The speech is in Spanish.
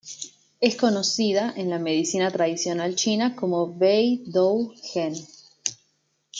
Es conocida en la medicina tradicional china como Bei-Dou-Gen.